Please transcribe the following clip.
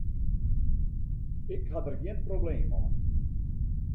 Ik ha der gjin probleem mei.